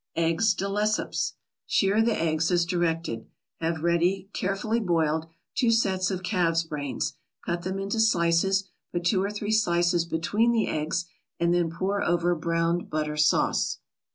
EGGS DE LESSEPS Shir the eggs as directed. Have ready, carefully boiled, two sets of calves' brains; cut them into slices; put two or three slices between the eggs, and then pour over browned butter sauce.